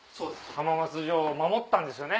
浜松城を守ったんですよね。